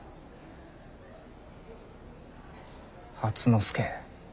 初之助。